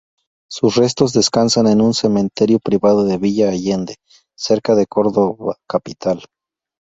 Sus restos descansan en un cementerio privado de Villa Allende, cerca de Córdoba capital.